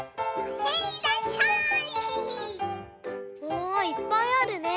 おいっぱいあるね。